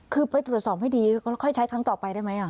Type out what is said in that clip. คือไปตรวจสอบให้ดีค่อยใช้ครั้งต่อไปได้ไหม